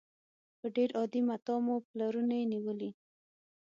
په ډېر عادي متاع مو پلورنې نېولې.